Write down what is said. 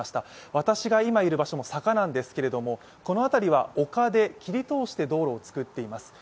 私が今いる場所も坂なんですけれどもこの辺りは丘で切り通して道路をつくっています。